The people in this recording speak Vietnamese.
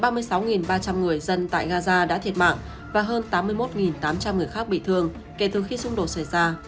khoảng ba mươi sáu ba trăm linh người dân tại gaza đã thiệt mạng và hơn tám mươi một tám trăm linh người khác bị thương kể từ khi xung đột xảy ra